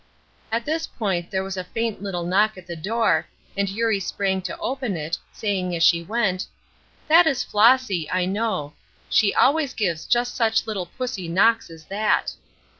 At this point there was a faint little knock at the door, and Eurie sprang to open it, saying as she went: "That is Flossy, I know; she always gives just such little pussy knocks as that."